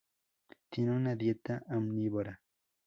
Tiene una dieta omnívora.